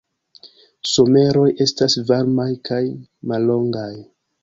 Someroj estas varmaj kaj mallongaj.